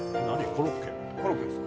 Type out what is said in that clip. コロッケです